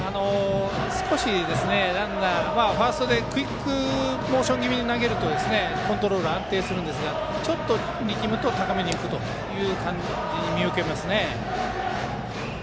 少しランナーがファーストでクイックモーション気味に投げるとコントロールが安定するんですがちょっと力むと高めに浮く感じに見受けられます。